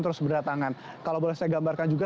terus berdatangan kalau boleh saya gambarkan juga